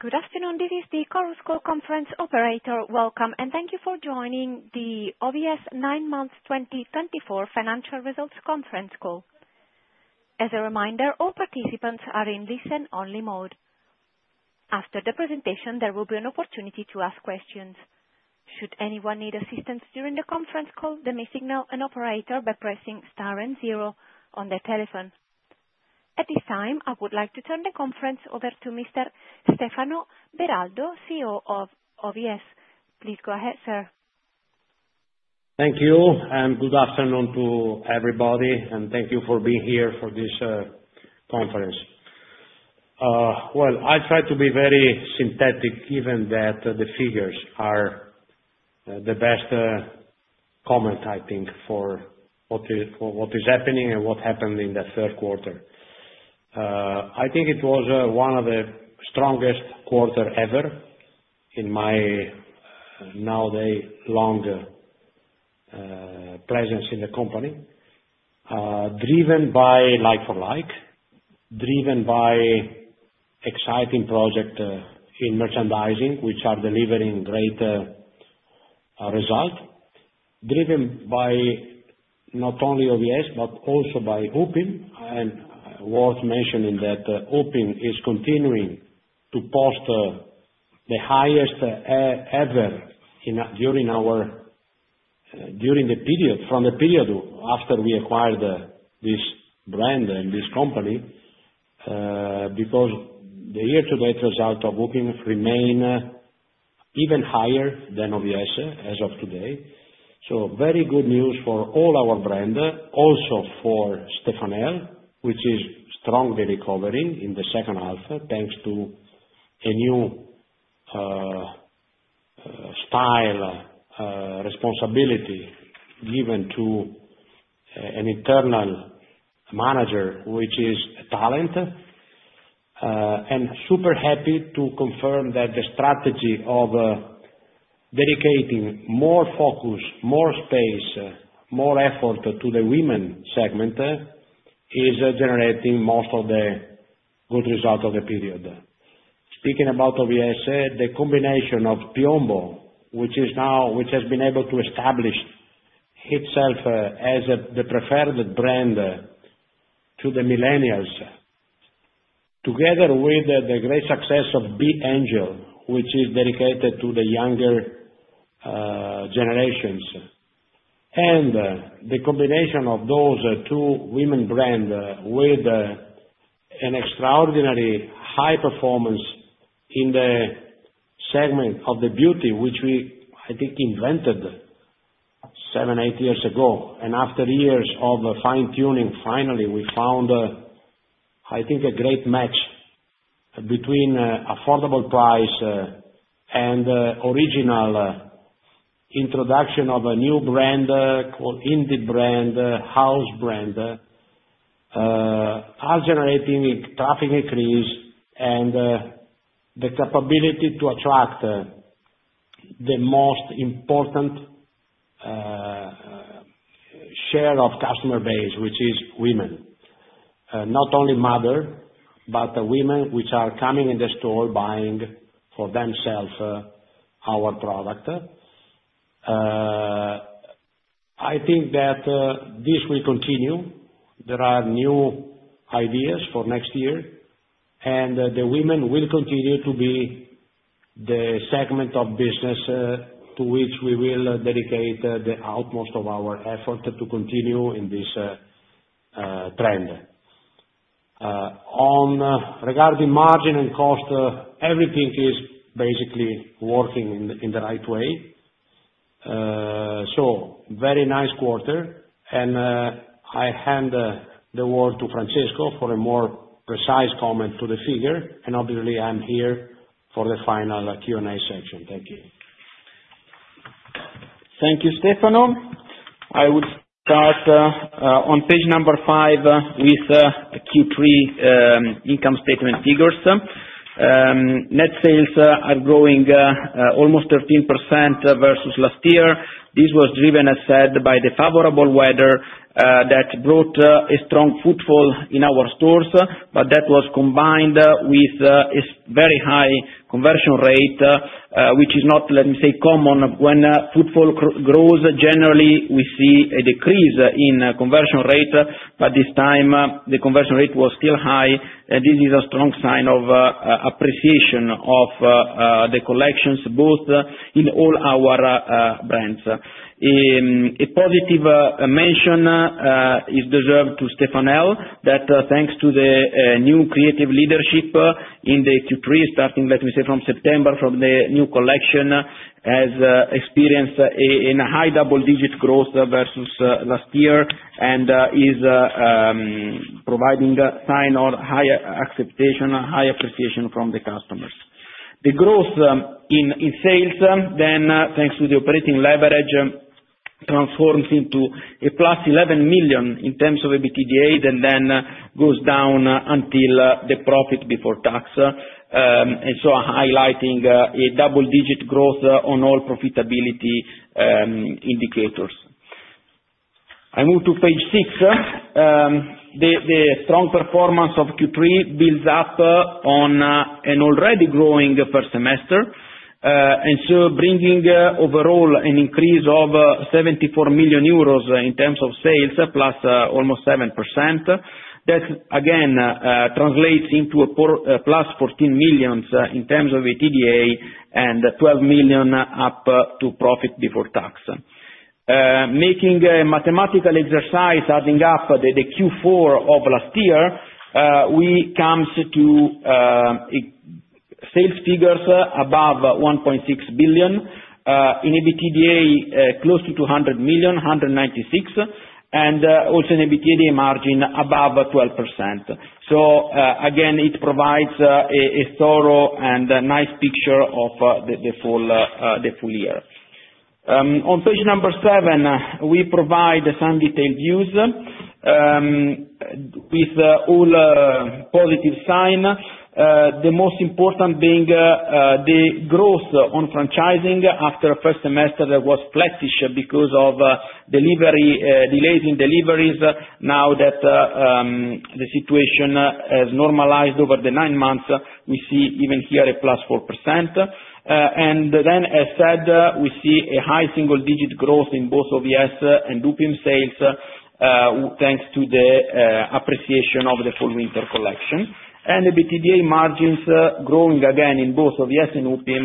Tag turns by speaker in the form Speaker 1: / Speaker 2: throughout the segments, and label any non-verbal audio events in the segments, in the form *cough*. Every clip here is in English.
Speaker 1: Good afternoon, this is the Chorus Call Conference Operator. Welcome, and thank you for joining the OVS nine-month 2024 financial results conference call. As a reminder, all participants are in listen-only mode. After the presentation, there will be an opportunity to ask questions. Should anyone need assistance during the conference call, they may signal an operator by pressing star and zero on their telephone. At this time, I would like to turn the conference over to Mr. Stefano Beraldo, CEO of OVS. Please go ahead, sir.
Speaker 2: Thank you, and good afternoon to everybody, and thank you for being here for this conference. I try to be very succinct, given that the figures are the best commentary, I think, for what is happening and what happened in the third quarter. I think it was one of the strongest quarters ever in my nowadays longer presence in the company, driven by like-for-like, driven by exciting projects in merchandising, which are delivering great results. Driven by not only OVS but also by Upim, and worth mentioning that Upim is continuing to post the highest ever during the period, from the period after we acquired this brand and this company, because the year-to-date results of Upim remain even higher than OVS as of today. Very good news for all our brands, also for Stefanel, which is strongly recovering in the second half thanks to a new style responsibility given to an internal manager, which is a talent. Super happy to confirm that the strategy of dedicating more focus, more space, more effort to the women segment is generating most of the good results of the period. Speaking about OVS, the combination of Piombo, which has been able to establish itself as the preferred brand to the millennials, together with the great success B.Angel, which is dedicated to the younger generations, and the combination of those two women brands with an extraordinary high performance in the segment of the beauty, which we, I think, invented seven, eight years ago. And after years of fine-tuning, finally we found, I think, a great match between affordable price and original introduction of a new brand called Indie Brands, house brands, are generating traffic increase and the capability to attract the most important share of customer base, which is women, not only mothers, but women which are coming in the store buying for themselves our product. I think that this will continue. There are new ideas for next year, and the women will continue to be the segment of business to which we will dedicate the utmost of our effort to continue in this trend. Regarding margin and cost, everything is basically working in the right way. So, very nice quarter, and I hand the word to Francesco for a more precise comment to the figure, and obviously I'm here for the final Q&A section. Thank you.
Speaker 3: Thank you, Stefano. I would start on page number five with Q3 income statement figures. Net sales are growing almost 13% versus last year. This was driven, as said, by the favorable weather that brought a strong footfall in our stores, but that was combined with a very high conversion rate, which is not, let me say, common. When footfall grows, generally we see a decrease in conversion rate, but this time the conversion rate was still high, and this is a strong sign of appreciation of the collections, both in all our brands. A positive mention is deserved to Stefanel that thanks to the new creative leadership in the Q3, starting, let me say, from September, from the new collection, has experienced a high double-digit growth versus last year and is providing a sign of high acceptance, high appreciation from the customers. The growth in sales then, thanks to the operating leverage, transforms into a plus 11 million in terms of EBITDA and then goes down until the profit before tax, and so I'm highlighting a double-digit growth on all profitability indicators. I move to page six. The strong performance of Q3 builds up on an already growing first semester, and so bringing overall an increase of 74 million euros in terms of sales, plus almost 7%. That again translates into a plus 14 million in terms of EBITDA and 12 million up to profit before tax. Making a mathematical exercise, adding up the Q4 of last year, we come to sales figures above 1.6 billion, in EBITDA close to 200 million, 196 million, and also in EBITDA margin above 12%, so again it provides a thorough and nice picture of the full year. On page number seven, we provide some detailed views with all positive signs, the most important being the growth on franchising after first semester that was flattish because of delays in deliveries. Now that the situation has normalized over the nine months, we see even here a plus 4%. And then, as said, we see a high single-digit growth in both OVS and Upim sales thanks to the appreciation of the fall-winter collection. And EBITDA margins growing again in both OVS and Upim,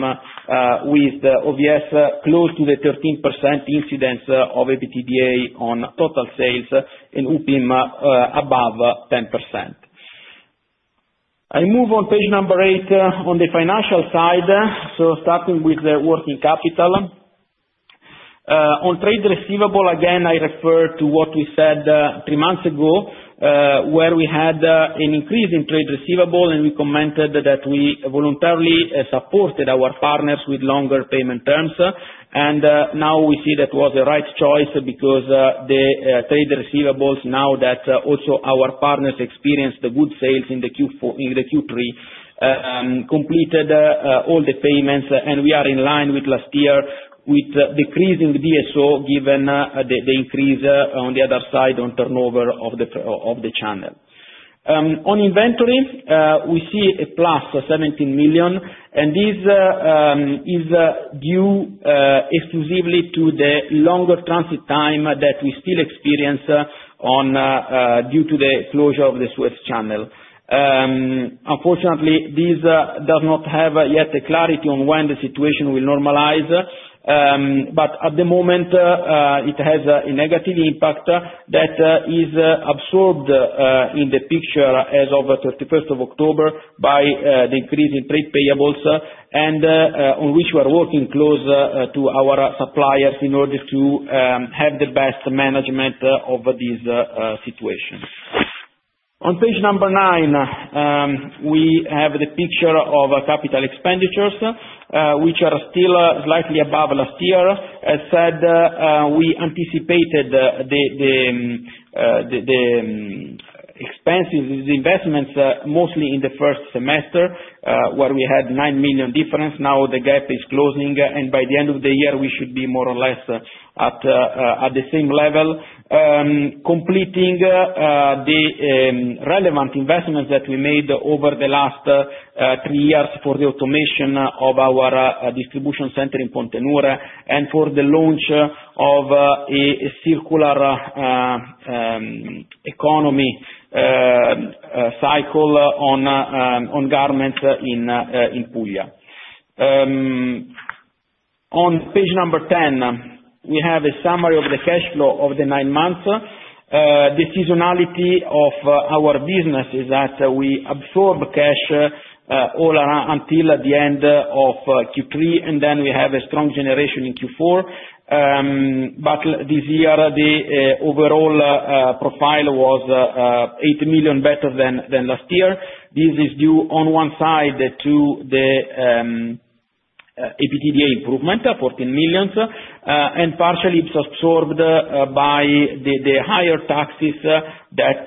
Speaker 3: with OVS close to the 13% incidence of EBITDA on total sales and Upim above 10%. I move on page number eight on the financial side, so starting with the working capital. On trade receivable, again, I refer to what we said three months ago, where we had an increase in trade receivable, and we commented that we voluntarily supported our partners with longer payment terms. Now we see that was the right choice because the trade receivables, now that also our partners experienced good sales in the Q3, completed all the payments, and we are in line with last year with decreasing DSO given the increase on the other side on turnover of the channel. On inventory, we see a plus 17 million, and this is due exclusively to the longer transit time that we still experience due to the closure of the Suez Canal. Unfortunately, this does not have yet clarity on when the situation will normalize, but at the moment it has a negative impact that is absorbed in the picture as of 31st of October by the increase in trade payables, and on which we are working close to our suppliers in order to have the best management of this situation. On page number nine, we have the picture of capital expenditures, which are still slightly above last year. As said, we anticipated the expenses, the investments, mostly in the first semester, where we had nine million difference. Now the gap is closing, and by the end of the year, we should be more or less at the same level, completing the relevant investments that we made over the last three years for the automation of our distribution center in Pontenure and for the launch of a circular economy cycle on garments in Puglia. On page number ten, we have a summary of the cash flow of the nine months. The seasonality of our business is that we absorb cash all until the end of Q3, and then we have a strong generation in Q4. But this year, the overall profile was eight million better than last year. This is due, on one side, to the EBITDA improvement, 14 million, and partially it's absorbed by the higher taxes that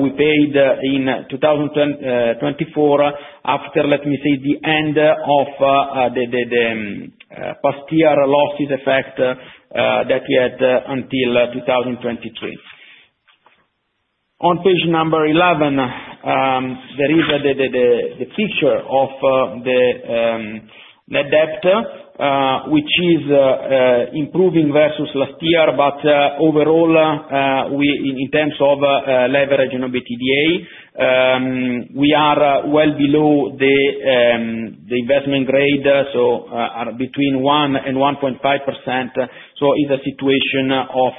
Speaker 3: we paid in 2024 after, let me say, the end of the past year losses effect that we had until 2023. On page number 11, there is the picture of the debt, which is improving versus last year, but overall, in terms of leverage and EBITDA, we are well below the investment grade, so between 1 and 1.5%. So it's a situation of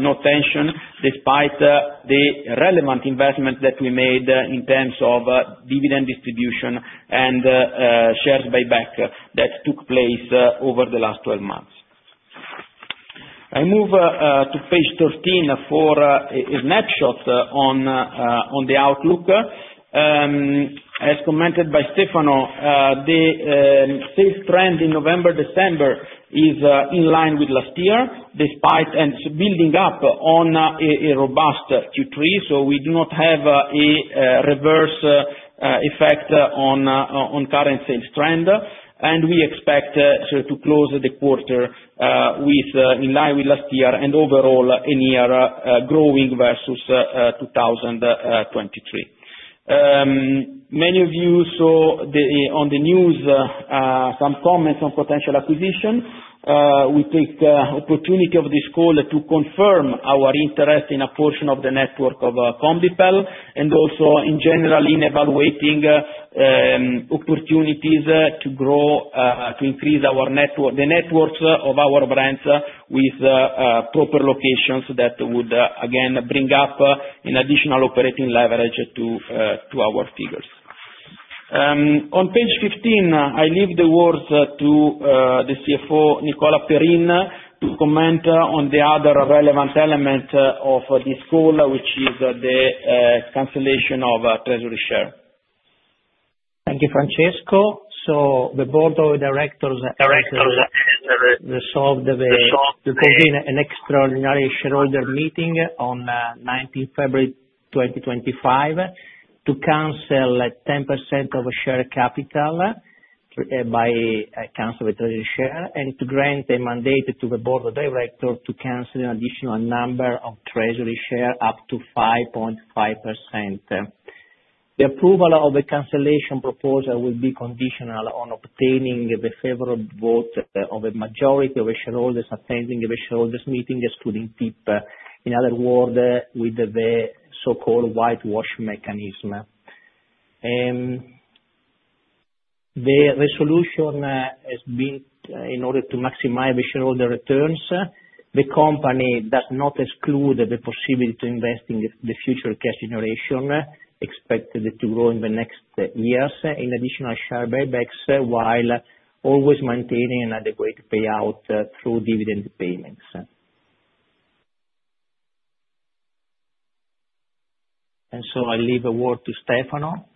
Speaker 3: no tension despite the relevant investments that we made in terms of dividend distribution and shares buyback that took place over the last 12 months. I move to page 13 for a snapshot on the outlook. As commented by Stefano, the sales trend in November-December is in line with last year despite and building up on a robust Q3, so we do not have a reverse effect on current sales trend, and we expect to close the quarter in line with last year and overall a near growing versus 2023. Many of you saw on the news some comments on potential acquisition. We take the opportunity of this call to confirm our interest in a portion of the network of Conbipel and also, in general, in evaluating opportunities to grow, to increase the networks of our brands with proper locations that would, again, bring up an additional operating leverage to our figures. On page 15, I leave the words to the CFO, Nicola Perin, to comment on the other relevant element of this call, which is the cancellation of treasury share.
Speaker 4: Thank you, Francesco. So the board of directors resolved to convene an extraordinary shareholder meeting on 19th February 2025 to cancel 10% of share capital by canceling treasury shares and to grant a mandate to the board of directors to cancel an additional number of treasury shares up to 5.5%. The approval of the cancellation proposal will be conditional on obtaining the favorable vote of a majority of shareholders attending the shareholders' meeting, excluding TIP. In other words, with the so-called whitewash mechanism. The resolution has been, in order to maximize the shareholder returns, the company does not exclude the possibility to invest in the future cash generation expected to grow in the next years in additional share buybacks while always maintaining an adequate payout through dividend payments. And so I leave the word to Stefano.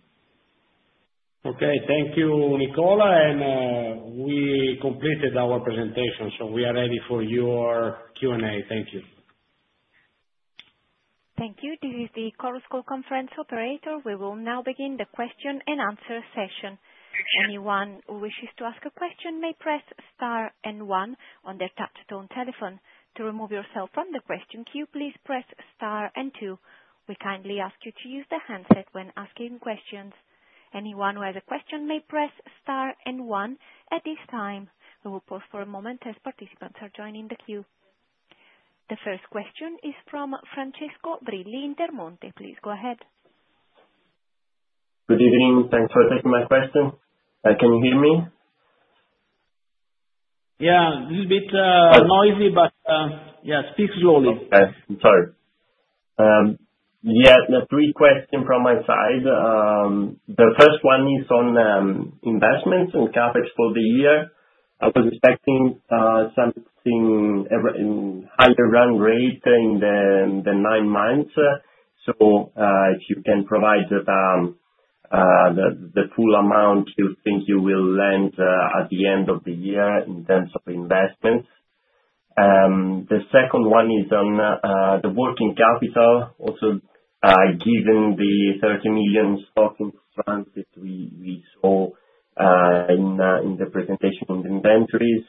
Speaker 2: Okay. Thank you, Nicola, and we completed our presentation, so we are ready for your Q&A. Thank you.
Speaker 1: Thank you. This is the Chorus Call conference operator. We will now begin the question and answer session. Anyone who wishes to ask a question may press star and one on their touchstone telephone. To remove yourself from the question queue, please press star and two. We kindly ask you to use the handset when asking questions. Anyone who has a question may press star and one at this time. We will pause for a moment as participants are joining the queue. The first question is from Francesco Brilli in Intermonte. Please go ahead.
Speaker 5: Good evening. Thanks for taking my question. Can you hear me?
Speaker 2: Yeah. This is a bit noisy, but yeah, speak slowly.
Speaker 5: Okay. I'm sorry. Yeah. Three questions from my side. The first one is on investments and CapEx for the year. I was expecting something in higher run rate in the nine months. So if you can provide the full amount you think you will lend at the end of the year in terms of investments. The second one is on the working capital, also given the 30 million stock in France that we saw in the presentation in the inventories.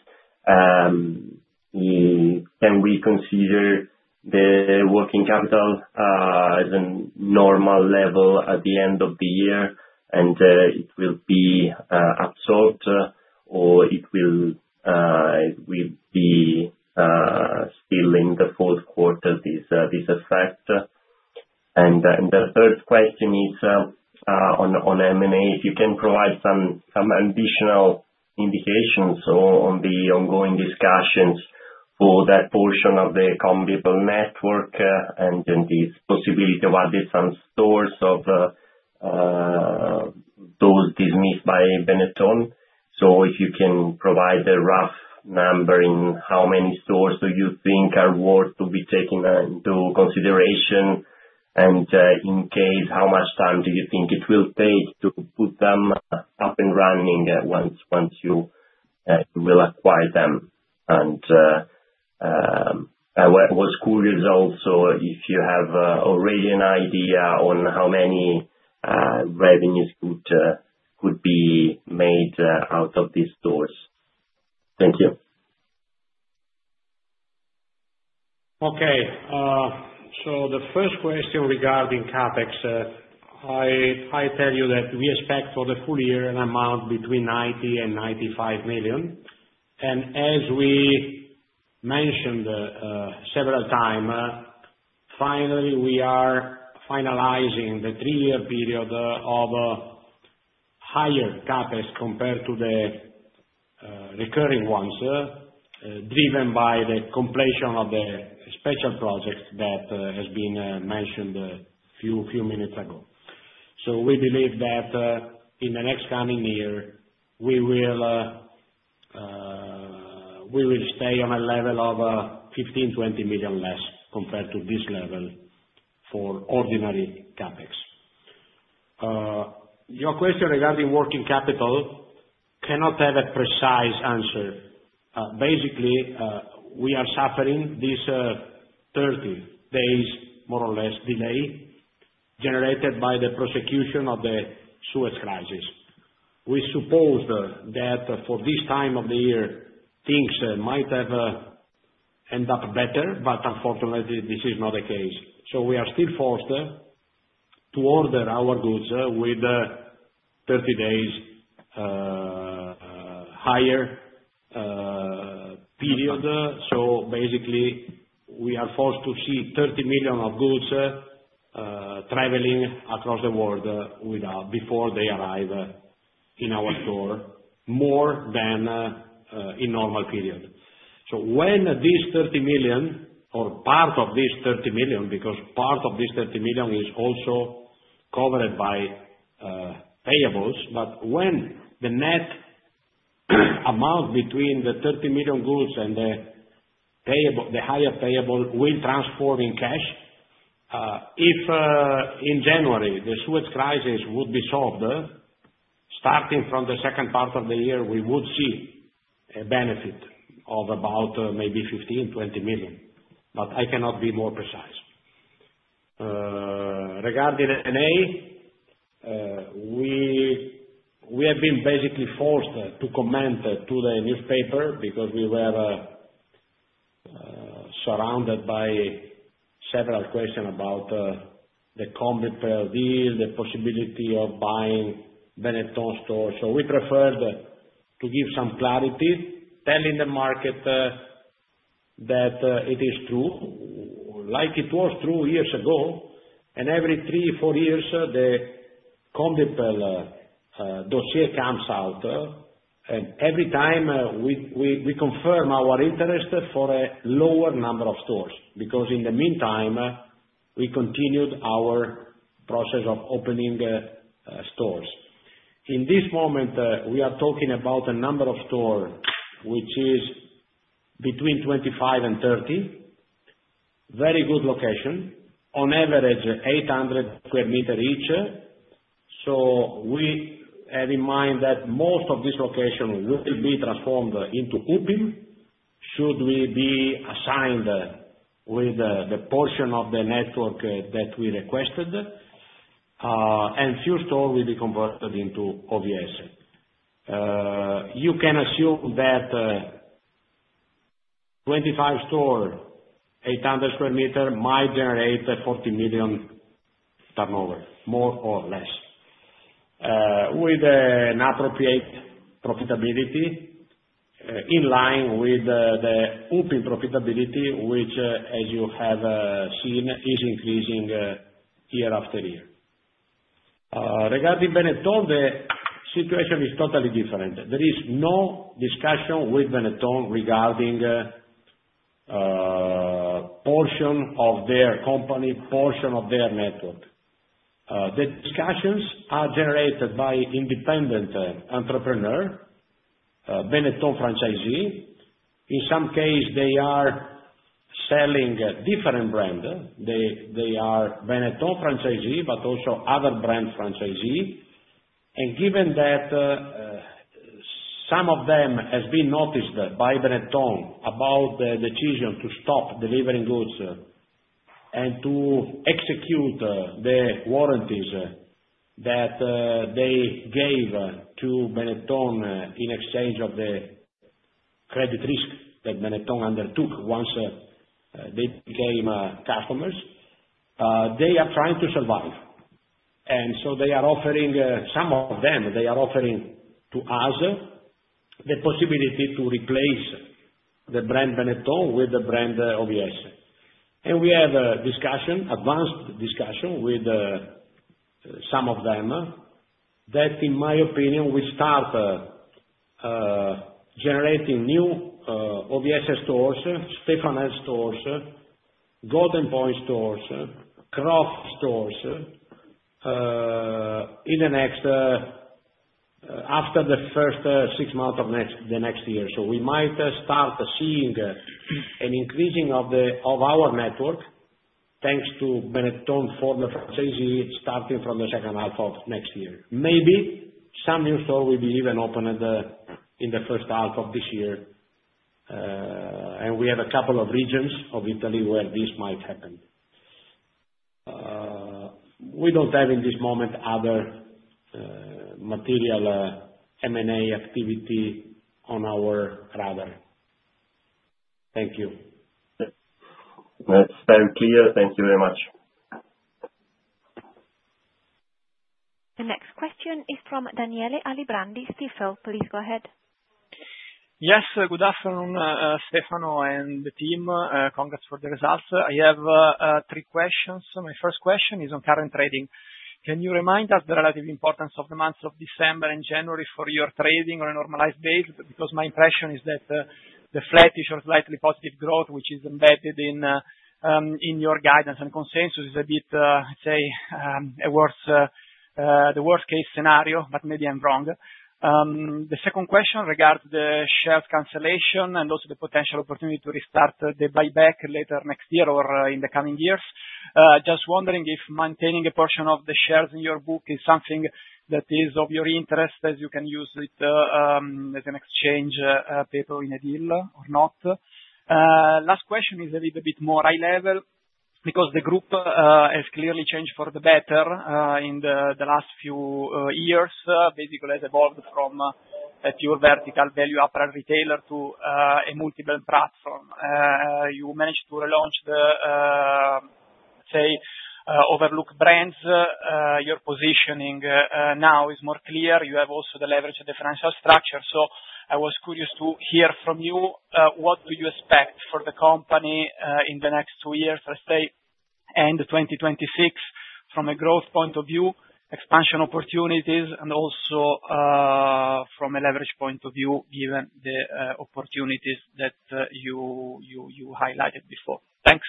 Speaker 5: Can we consider the working capital at a normal level at the end of the year, and it will be absorbed, or it will be still in the fourth quarter this effect? And the third question is on M&A. If you can provide some additional indications on the ongoing discussions for that portion of the Conbipel network and the possibility of adding some stores of those dismissed by Benetton. If you can provide a rough number in how many stores do you think are worth to be taken into consideration, and in case, how much time do you think it will take to put them up and running once you will acquire them? I was curious also if you have already an idea on how many revenues could be made out of these stores. Thank you.
Speaker 2: Okay, so the first question regarding CapEx, I tell you that we expect for the full year an amount between 90 million and 95 million. And as we mentioned several times, finally, we are finalizing the three-year period of higher CapEx compared to the recurring ones, driven by the completion of the special project that has been mentioned a few minutes ago. So we believe that in the next coming year, we will stay on a level of 15-20 million less compared to this level for ordinary CapEx. Your question regarding working capital cannot have a precise answer. Basically, we are suffering this 30 days, more or less, delay generated by the prolongation of the Suez Canal crisis. We suppose that for this time of the year, things might have ended up better, but unfortunately, this is not the case. So we are still forced to order our goods with 30 days higher period. So basically, we are forced to see 30 million of goods traveling across the world before they arrive in our store, more than in normal period. So when these 30 million or part of these 30 million, because part of these 30 million is also covered by payables, but when the net amount between the 30 million goods and the higher payable will transform in cash, if in January the Suez Crisis would be solved, starting from the second part of the year, we would see a benefit of about maybe 15-20 million. But I cannot be more precise. Regarding M&A, we have been basically forced to comment to the newspaper because we were surrounded by several questions about the Conbipel deal, the possibility of buying Benetton stores. So we preferred to give some clarity, telling the market that it is true, like it was true years ago. And every three, four years, the Conbipel dossier comes out, and every time we confirm our interest for a lower number of stores because in the meantime, we continued our process of opening stores. In this moment, we are talking about a number of stores which is between 25 and 30, very good location, on average 800 square meters each. So we have in mind that most of this location will be transformed into Upim should we be assigned with the portion of the network that we requested, and few stores will be converted into OVS. You can assume that 25 stores, 800 square meters, might generate 40 million turnover, more or less, with an appropriate profitability in line with the Upim profitability, which, as you have seen, is increasing year after year. Regarding Benetton, the situation is totally different. There is no discussion with Benetton regarding portion of their company, portion of their network. The discussions are generated by independent entrepreneur, Benetton franchisee. In some cases, they are selling different brands. They are Benetton franchisee, but also other brand franchisee, and given that some of them have been notified by Benetton about the decision to stop delivering goods and to execute the warranties that they gave to Benetton in exchange for the credit risk that Benetton undertook once they became customers, they are trying to survive. And so they are offering some of them. They are offering to us the possibility to replace the brand Benetton with the brand OVS. And we have a discussion, advanced discussion with some of them that, in my opinion, we start generating new OVS stores, Stefanel stores, Goldenpoint stores, Croff stores, in the next after the first six months of the next year. So we might start seeing an increasing of our network thanks to Benetton for the franchisee starting from the second half of next year. Maybe some new stores will be even opened in the first half of this year. And we have a couple of regions of Italy where this might happen. We don't have in this moment other material M&A activity on our radar. Thank you.
Speaker 5: That's very clear. Thank you very much.
Speaker 1: The next question is from Daniele Alibrandi, Stifel. Please go ahead.
Speaker 6: Yes. Good afternoon, Stefano and the team. Congrats for the results. I have three questions. My first question is on current trading. Can you remind us the relative importance of the months of December and January for your trading on a normalized base? Because my impression is that the flattish or slightly positive growth, which is embedded in your guidance and consensus, is a bit, I'd say, the worst-case scenario, but maybe I'm wrong. The second question regards the share cancellation and also the potential opportunity to restart the buyback later next year or in the coming years. Just wondering if maintaining a portion of the shares in your book is something that is of your interest, as you can use it as an exchange paper in a deal or not? Last question is a little bit more high level because the group has clearly changed for the better in the last few years. Basically, it has evolved from a pure vertical value-upper retailer to a multiple platform. You managed to relaunch the, say, overlooked brands. Your positioning now is more clear. You have also the leverage of the financial structure. So I was curious to hear from you, what do you expect for the company in the next two years, let's say, and 2026 from a growth point of view, expansion opportunities, and also from a leverage point of view, given the opportunities that you highlighted before? Thanks.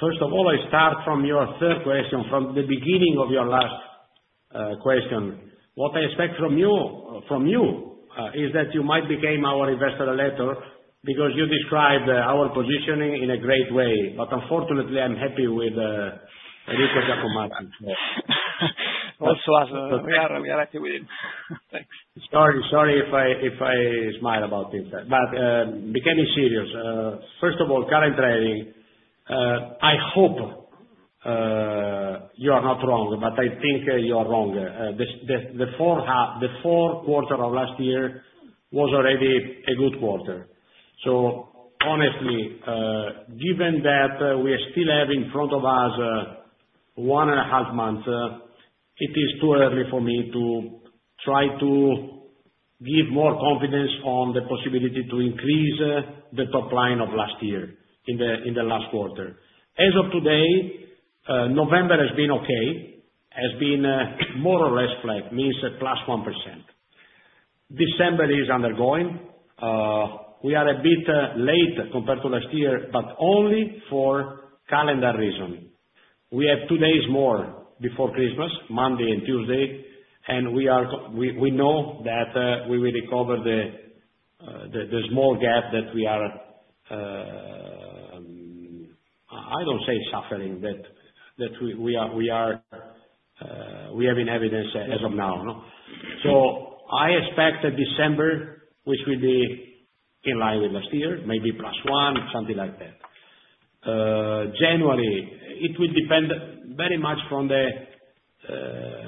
Speaker 2: First of all, I start from your third question, from the beginning of your last question. What I expect from you is that you might become our investor later because you described our positioning in a great way. But unfortunately, I'm happy with Riccardo. *audio distortion*
Speaker 6: Also us. We are happy with him. Thanks.
Speaker 2: Sorry if I smile about this, but becoming serious, first of all, current trading. I hope you are not wrong, but I think you are wrong. The fourth quarter of last year was already a good quarter, so honestly, given that we still have in front of us one and a half months, it is too early for me to try to give more confidence on the possibility to increase the top line of last year in the last quarter. As of today, November has been okay, has been more or less flat, means plus 1%. December is ongoing. We are a bit late compared to last year, but only for calendar reasons. We have two days more before Christmas, Monday and Tuesday, and we know that we will recover the small gap that we are, I don't say suffering, that we have in evidence as of now. So I expect that December, which will be in line with last year, maybe plus 1, something like that. January, it will depend very much on the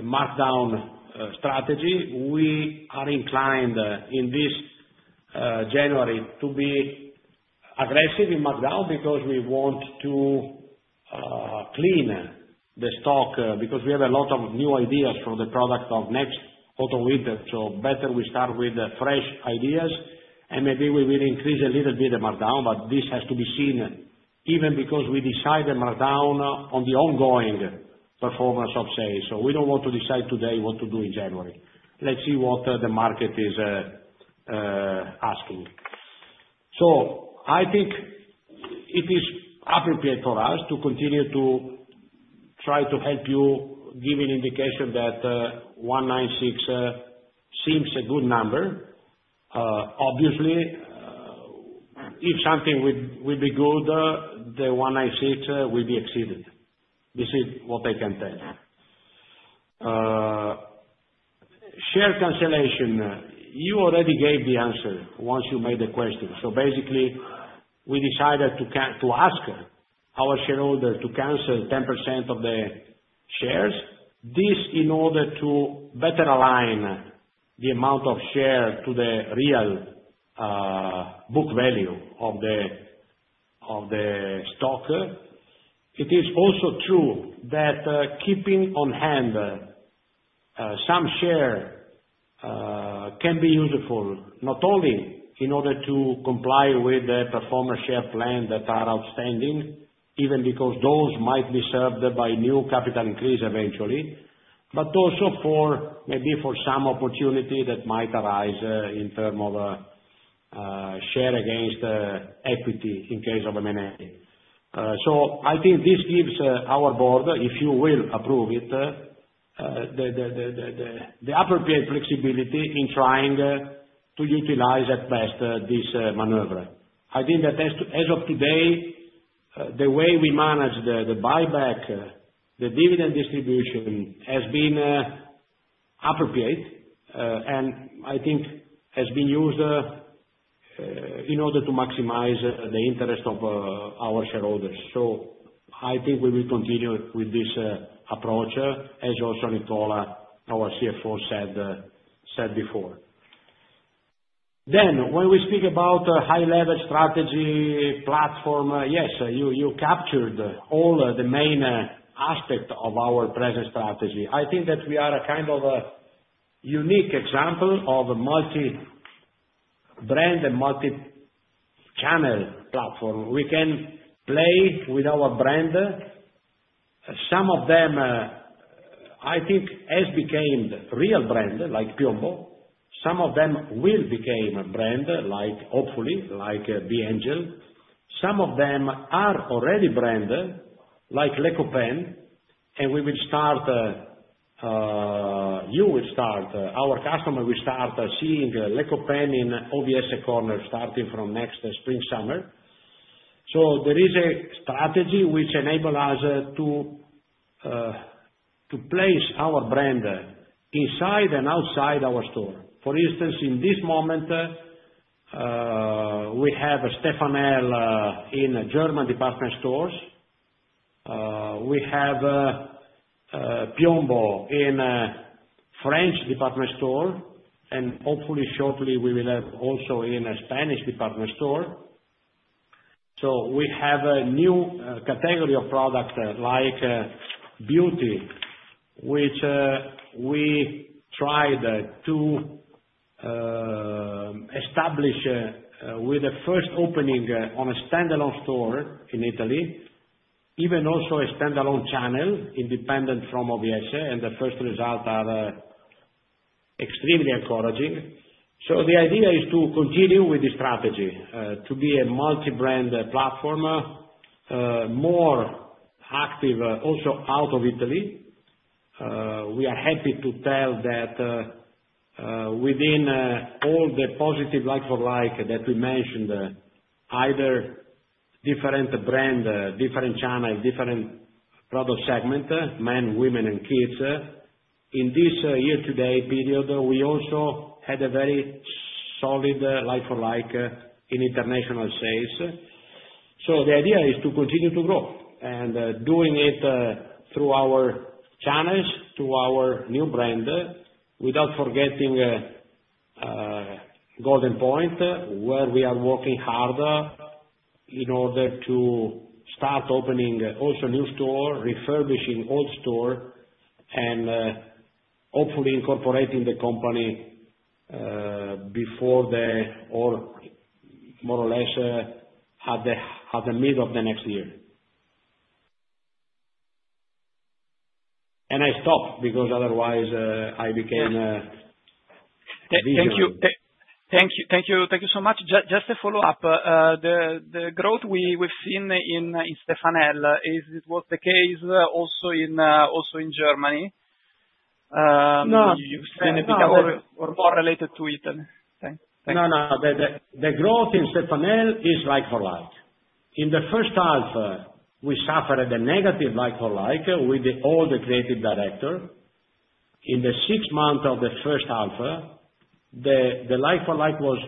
Speaker 2: markdown strategy. We are inclined in this January to be aggressive in markdown because we want to clean the stock because we have a lot of new ideas for the product of next autumn-winter. So better we start with fresh ideas, and maybe we will increase a little bit the markdown, but this has to be seen even because we decide the markdown on the ongoing performance of sales. So we don't want to decide today what to do in January. Let's see what the market is asking. So I think it is appropriate for us to continue to try to help you give an indication that 196 seems a good number. Obviously, if something will be good, the 196 will be exceeded. This is what I can tell you. Share cancellation, you already gave the answer once you made the question. So basically, we decided to ask our shareholder to cancel 10% of the shares, this in order to better align the amount of shares to the real book value of the stock. It is also true that keeping on hand some shares can be useful not only in order to comply with the Performance Share Plan that are outstanding, even because those might be served by new capital increase eventually, but also maybe for some opportunity that might arise in terms of shares against equity in case of M&A. So I think this gives our board, if you will approve it, the appropriate flexibility in trying to utilize at best this maneuver. I think that as of today, the way we manage the buyback, the dividend distribution has been appropriate, and I think has been used in order to maximize the interest of our shareholders. So I think we will continue with this approach, as also Nicola, our CFO, said before. Then, when we speak about high-level strategy platform, yes, you captured all the main aspects of our present strategy. I think that we are a kind of a unique example of a multi-brand and multi-channel platform. We can play with our brand. Some of them, I think, have become real brands like Piombo. Some of them will become a brand, hopefully, B.Angel. Some of them are already brands like Les Copains, and we will start, you will start, our customers will start seeing Les Copains in OVS corner starting from next spring-summer. There is a strategy which enables us to place our brand inside and outside our store. For instance, in this moment, we have Stefanel in German department stores. We have Piombo in a French department store, and hopefully shortly, we will have also in a Spanish department store. We have a new category of product like beauty, which we tried to establish with the first opening on a standalone store in Italy, even also a standalone channel independent from OVS, and the first results are extremely encouraging. The idea is to continue with the strategy to be a multi-brand platform, more active also out of Italy. We are happy to tell that within all the positive like-for-like that we mentioned, either different brand, different channel, different product segment, men, women, and kids, in this year-to-date period, we also had a very solid like-for-like in international sales. So the idea is to continue to grow and doing it through our channels, through our new brand, without forgetting Goldenpoint, where we are working hard in order to start opening also new stores, refurbishing old stores, and hopefully incorporating the company before the, or more or less at the middle of the next year. And I stopped because otherwise I became visual.
Speaker 6: Thank you. Thank you so much. Just a follow-up. The growth we've seen in Stefanel, is it was the case also in Germany. You said it was more related to Italy. Thanks.
Speaker 2: No, no. The growth in Stefanel is like-for-like. In the first half, we suffered a negative like-for-like with all the creative directors. In the six months of the first half, the like-for-like was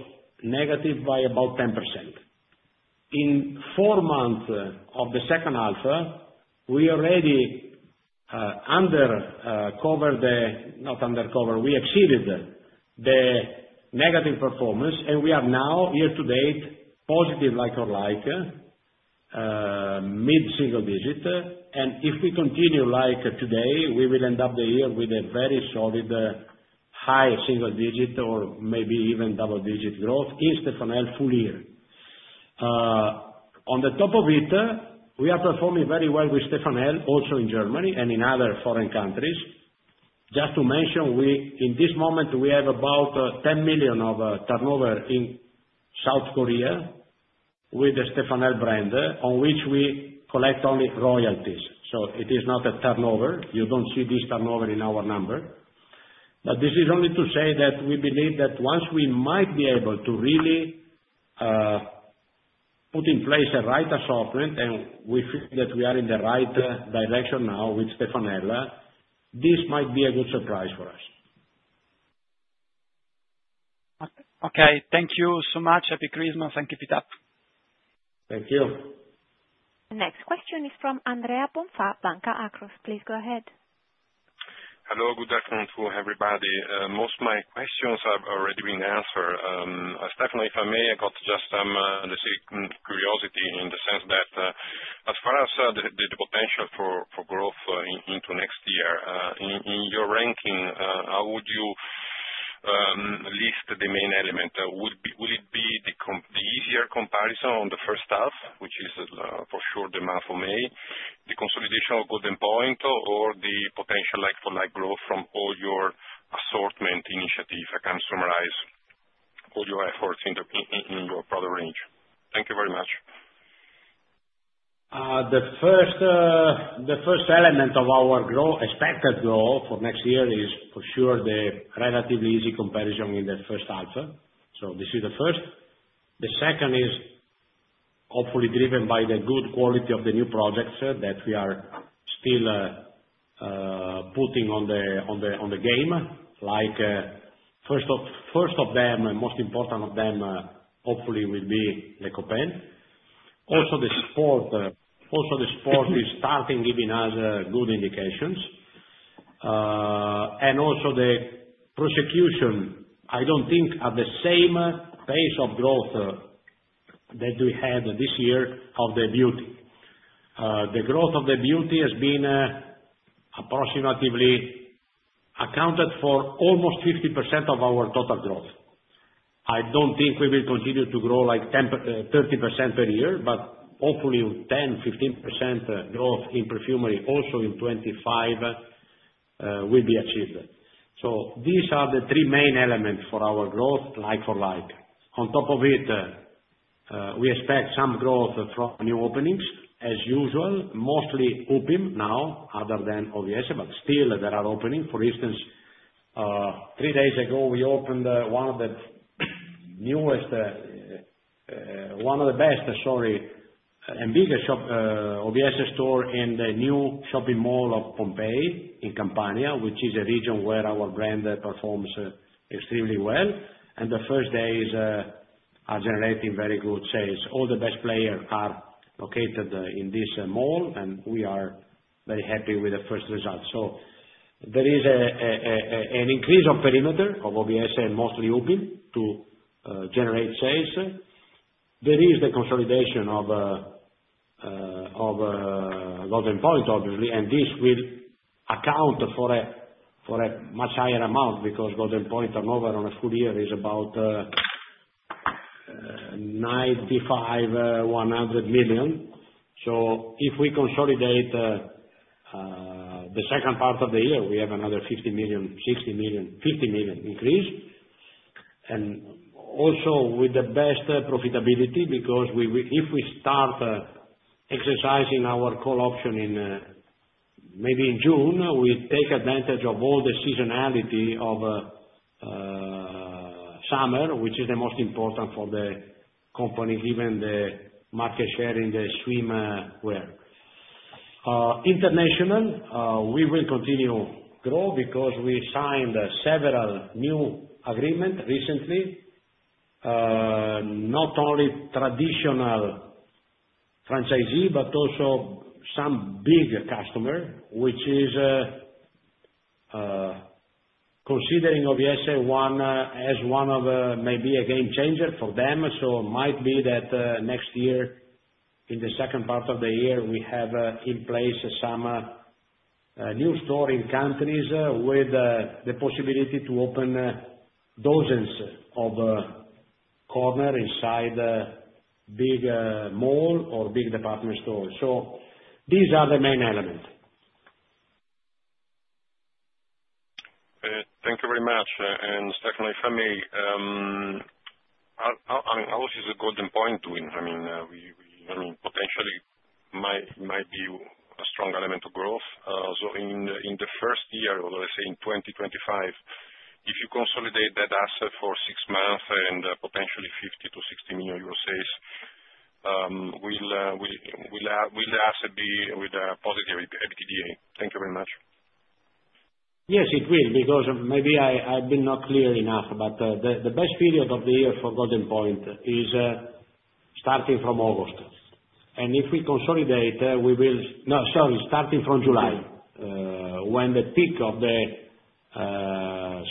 Speaker 2: negative by about 10%. In four months of the second half, we already undercovered the, not undercovered, we exceeded the negative performance, and we are now, year-to-date, positive like-for-like, mid-single digit. And if we continue like today, we will end up the year with a very solid high single digit or maybe even double-digit growth in Stefanel full year. On the top of it, we are performing very well with Stefanel also in Germany and in other foreign countries. Just to mention, in this moment, we have about 10 million of turnover in South Korea with the Stefanel brand, on which we collect only royalties. So it is not a turnover. You don't see this turnover in our number, but this is only to say that we believe that once we might be able to really put in place a right assortment, and we feel that we are in the right direction now with Stefano, this might be a good surprise for us.
Speaker 6: Okay. Thank you so much. Happy Christmas. Thank you, Pieter.
Speaker 2: Thank you.
Speaker 1: The next question is from Andrea Bonfà, Banca Akros. Please go ahead.
Speaker 7: Hello. Good afternoon to everybody. Most of my questions have already been answered. Stefano, if I may, I got just some curiosity in the sense that as far as the potential for growth into next year, in your ranking, how would you list the main element? Would it be the easier comparison on the first half, which is for sure the month of May, the consolidation of Goldenpoint, or the potential like-for-like growth from all your assortment initiatives? I can summarize all your efforts in your product range. Thank you very much.
Speaker 2: The first element of our expected growth for next year is for sure the relatively easy comparison in the first half. So this is the first. The second is hopefully driven by the good quality of the new projects that we are still putting on the game. First of them, most important of them, hopefully, will be Les Copains. Also the sport is starting giving us good indications. And also the progression, I don't think at the same pace of growth that we had this year of the beauty. The growth of the beauty has been approximately accounted for almost 50% of our total growth. I don't think we will continue to grow like 30% per year, but hopefully 10%-15% growth in perfumery also in 2025 will be achieved. So these are the three main elements for our growth, like-for-like. On top of it, we expect some growth from new openings, as usual, mostly Upim now, other than OVS, but still there are openings. For instance, three days ago, we opened one of the newest, one of the best, sorry, and biggest OVS store in the new shopping mall of Pompeii in Campania, which is a region where our brand performs extremely well. And the first days are generating very good sales. All the best players are located in this mall, and we are very happy with the first results. So there is an increase of perimeter of OVS and mostly Upim to generate sales. There is the consolidation of Goldenpoint, obviously, and this will account for a much higher amount because Goldenpoint turnover on a full year is about 95-100 million. If we consolidate the second part of the year, we have another 50 million, 60 million, 50 million increase. And also with the best profitability because if we start exercising our call option maybe in June, we take advantage of all the seasonality of summer, which is the most important for the company given the market share in the swimwear. Internationally, we will continue to grow because we signed several new agreements recently, not only traditional franchisee but also some big customers, which is considering OVS as one of maybe a game changer for them. It might be that next year, in the second part of the year, we have in place some new store in countries with the possibility to open dozens of corners inside big malls or big department stores. These are the main elements.
Speaker 7: Thank you very much. Stefano and Francesco, I mean, obviously, it's a Goldenpoint win. I mean, potentially, it might be a strong element of growth. In the first year, let's say in 2025, if you consolidate that asset for six months and potentially 50-60 million euro sales, will the asset be with a positive EBITDA? Thank you very much.
Speaker 2: Yes, it will because maybe I've been not clear enough, but the best period of the year for Goldenpoint is starting from August. And if we consolidate, we will, no, sorry, starting from July when the peak of the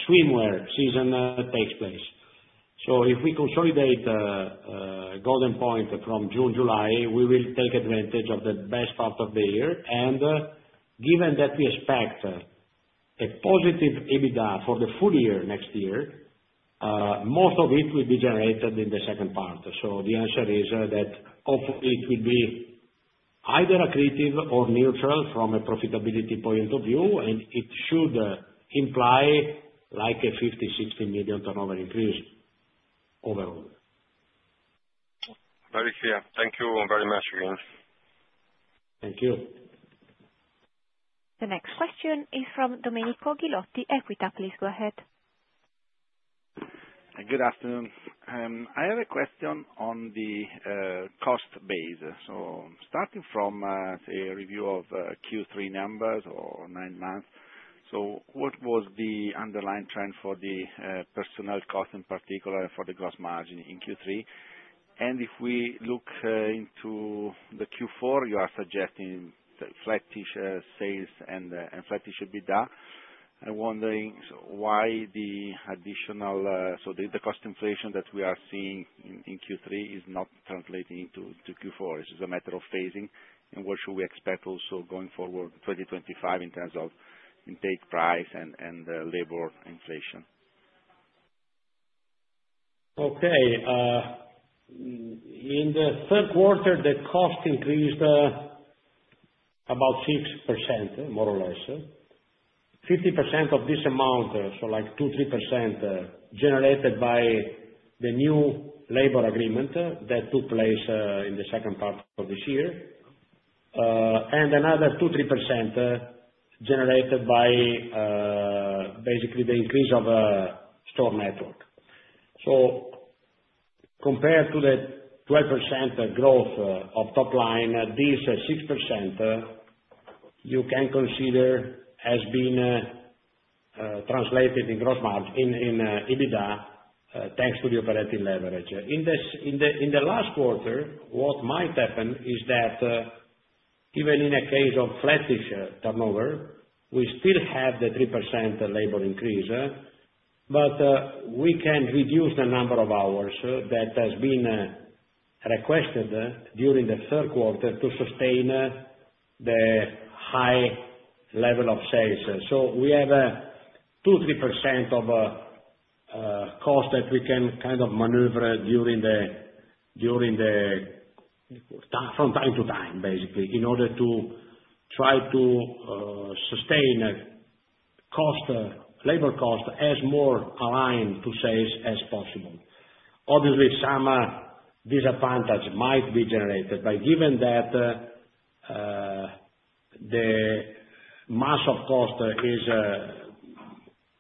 Speaker 2: swimwear season takes place. So if we consolidate Goldenpoint from June, July, we will take advantage of the best part of the year. And given that we expect a positive EBITDA for the full year next year, most of it will be generated in the second part. So the answer is that hopefully it will be either accretive or neutral from a profitability point of view, and it should imply like a 50-60 million turnover increase overall.
Speaker 7: Very clear. Thank you very much again.
Speaker 2: Thank you.
Speaker 1: The next question is from Domenico Ghilotti, Equita. Please go ahead.
Speaker 8: Good afternoon. I have a question on the cost base. So starting from a review of Q3 numbers or nine months, so what was the underlying trend for the personnel cost in particular and for the gross margin in Q3? And if we look into the Q4, you are suggesting flattish sales and flattish EBITDA. I'm wondering why the additional, so the cost inflation that we are seeing in Q3 is not translating into Q4. Is it a matter of phasing, and what should we expect also going forward 2025 in terms of intake price and labor inflation?
Speaker 2: Okay. In the third quarter, the cost increased about 6%, more or less. 50% of this amount, so like 2-3%, generated by the new labor agreement that took place in the second part of this year. And another 2-3% generated by basically the increase of store network. So compared to the 12% growth of top line, this 6% you can consider has been translated in gross margin in EBITDA thanks to the operating leverage. In the last quarter, what might happen is that even in a case of flattish turnover, we still have the 3% labor increase, but we can reduce the number of hours that has been requested during the third quarter to sustain the high level of sales. So we have 2-3% of cost that we can kind of maneuver during from time to time, basically, in order to try to sustain labor cost as more aligned to sales as possible. Obviously, some disadvantage might be generated, but given that the mass of cost is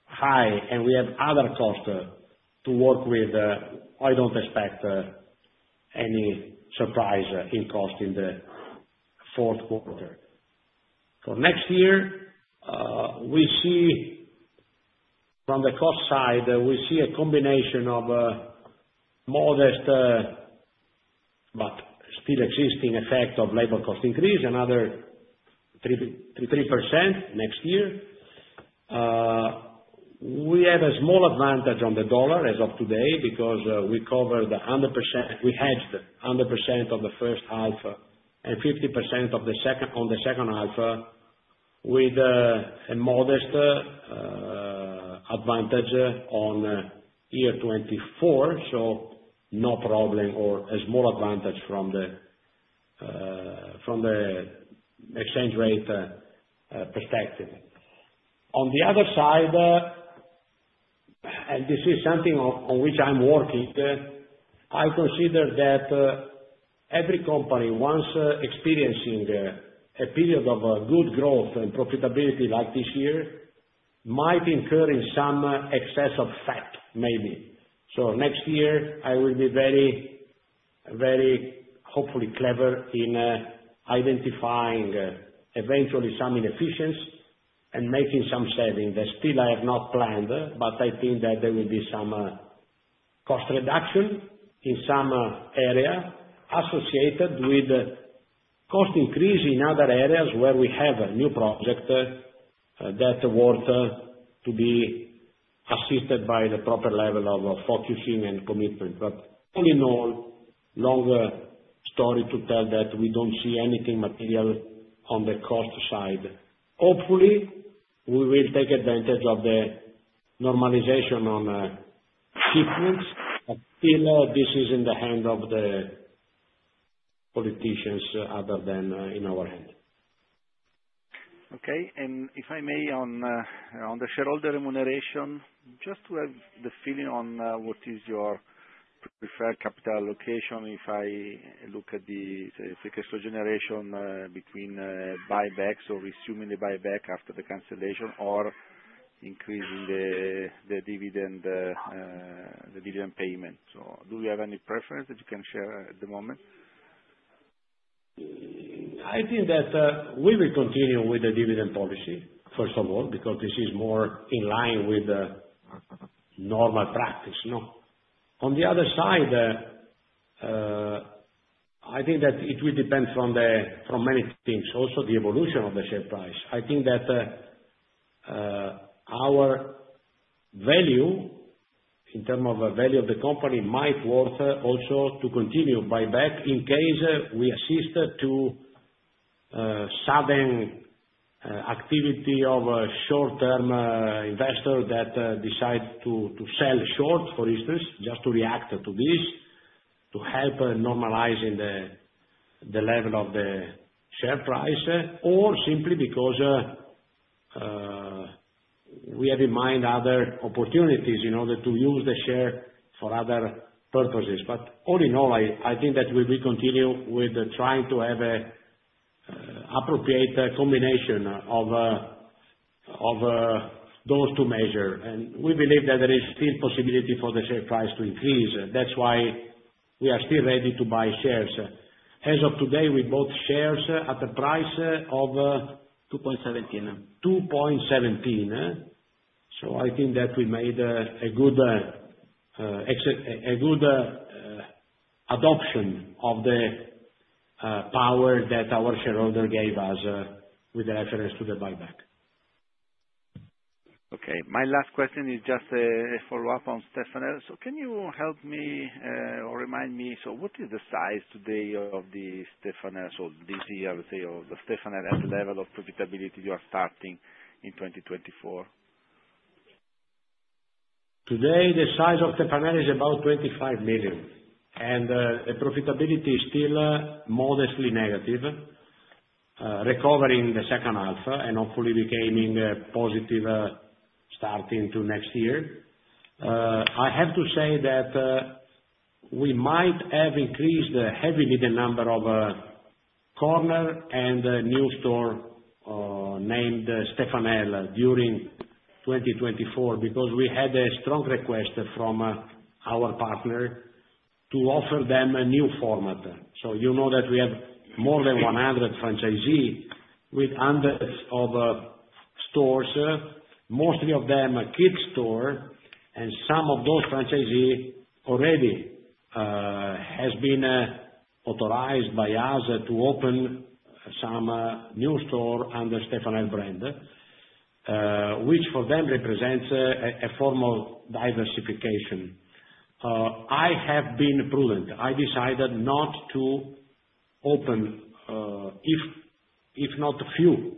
Speaker 2: high and we have other costs to work with, I don't expect any surprise in cost in the fourth quarter. For next year, from the cost side, we see a combination of modest but still existing effect of labor cost increase, another 3.3% next year. We have a small advantage on the dollar as of today because we covered 100%. We hedged 100% of the first half and 50% on the second half with a modest advantage on year 2024. So no problem or a small advantage from the exchange rate perspective. On the other side, and this is something on which I'm working, I consider that every company, once experiencing a period of good growth and profitability like this year, might incur in some excess of FTE maybe. So next year, I will be very, very hopefully clever in identifying eventually some inefficiencies and making some savings that still I have not planned, but I think that there will be some cost reduction in some area associated with cost increase in other areas where we have a new project that's worth to be assisted by the proper level of focusing and commitment. But all in all, long story short that we don't see anything material on the cost side. Hopefully, we will take advantage of the normalization on shipments, but still this is in the hands of the politicians other than in our hands.
Speaker 8: Okay. And if I may, on the shareholder remuneration, just to have the feeling on what is your preferred capital allocation if I look at the free cash flow generation between buybacks or resuming the buyback after the cancellation or increasing the dividend payment? So do you have any preference that you can share at the moment?
Speaker 2: I think that we will continue with the dividend policy, first of all, because this is more in line with normal practice. On the other side, I think that it will depend from many things, also the evolution of the share price. I think that our value in terms of value of the company might worth also to continue buyback in case we assist to sudden activity of a short-term investor that decides to sell short, for instance, just to react to this, to help normalize the level of the share price, or simply because we have in mind other opportunities in order to use the share for other purposes. But all in all, I think that we will continue with trying to have an appropriate combination of those two measures, and we believe that there is still possibility for the share price to increase. That's why we are still ready to buy shares. As of today, we bought shares at a price of.
Speaker 8: 2.17.
Speaker 2: 2.17. So I think that we made a good adoption of the power that our shareholder gave us with reference to the buyback.
Speaker 8: Okay. My last question is just a follow-up on Stefanel. So can you help me or remind me, so what is the size today of the Stefanel? So this year, let's say, of the Stefanel at the level of profitability you are starting in 2024?
Speaker 2: Today, the size of Stefanel is about 25 million, and the profitability is still modestly negative, recovering the second half and hopefully becoming a positive start into next year. I have to say that we might have increased heavily the number of corners and new stores named Stefanel during 2024 because we had a strong request from our partners to offer them a new format, so you know that we have more than 100 franchisees with hundreds of stores, mostly of them kids stores. And some of those franchisees already have been authorized by us to open some new stores under Stefanel's brand, which for them represents a form of diversification. I have been prudent. I decided not to open, if not a few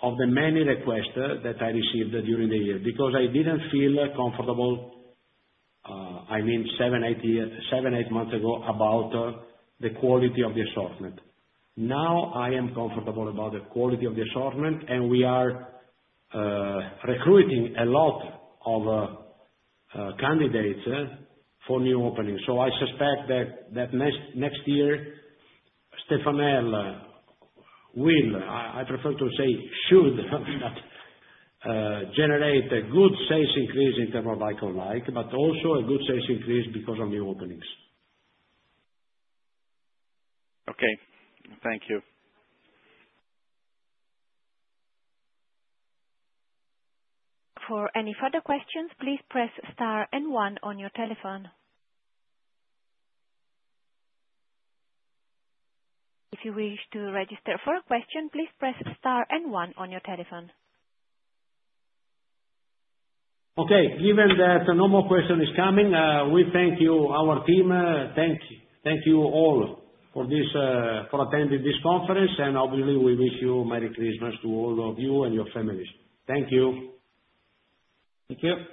Speaker 2: of the many requests that I received during the year because I didn't feel comfortable, I mean, seven, eight months ago about the quality of the assortment. Now I am comfortable about the quality of the assortment, and we are recruiting a lot of candidates for new openings. So I suspect that next year, Stefano will, I prefer to say should, generate a good sales increase in terms of like-for-like, but also a good sales increase because of new openings.
Speaker 8: Okay. Thank you.
Speaker 1: For any further questions, please press star and one on your telephone. If you wish to register for a question, please press star and one on your telephone.
Speaker 2: Okay. Given that no more questions are coming, we thank you, our team. Thank you. Thank you all for attending this conference, and obviously, we wish you Merry Christmas to all of you and your families. Thank you.
Speaker 3: Thank you.